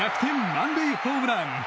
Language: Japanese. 満塁ホームラン！